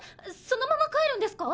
そのまま帰るんですか！？